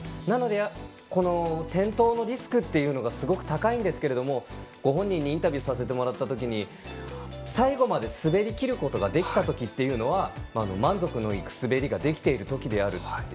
なので、転倒のリスクがすごく高いんですけれどもご本人にインタビューをさせてもらったときに最後まで滑りきることができたときは満足のいく滑りができているときであると。